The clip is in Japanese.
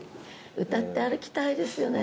歌って歩きたいですね。